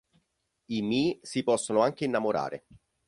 I Mii si possono anche innamorare.